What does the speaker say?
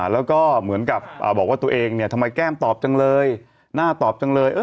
แล้วก็เหมือนกับบอกว่าตัวเองเนี่ยทำไมแก้มตอบจังเลยน่าตอบจังเลย